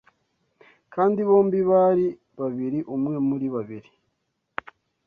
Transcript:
Kandi bombi bari babiri umwe muri babiri